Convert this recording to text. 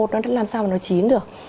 nó làm sao mà nó chín được